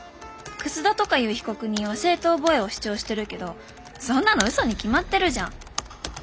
「楠田とかいう被告人は正当防衛を主張してるけどそんなの嘘に決まってるじゃん。